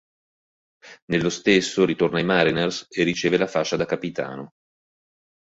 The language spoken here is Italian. Nello stesso ritorna ai "Mariners" e riceve la fascia da capitano.